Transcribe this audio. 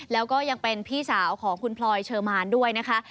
แล้วก็ยังเป็นพี่สาวของคุณพลอยเชอร์มานด้วยนะคะ